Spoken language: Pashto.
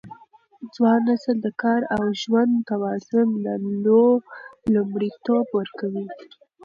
ځوان نسل د کار او ژوند توازن ته لومړیتوب ورکوي.